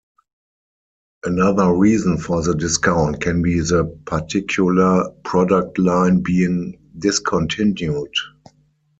Another reason for the discount can be the particular product line being discontinued.